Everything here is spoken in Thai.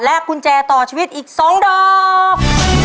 กุญแจต่อชีวิตอีก๒ดอก